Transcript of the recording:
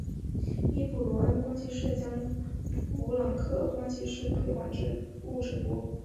德布罗意关系式将普朗克关系式推广至物质波。